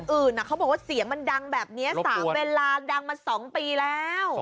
อื่นเขาบอกว่าเสียงมันดังแบบนี้๓เวลาดังมา๒ปีแล้ว